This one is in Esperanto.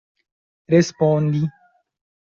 respondi